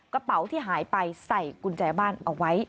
กระเป๋าที่หายไปใส่กุญแจบ้านเอาไว้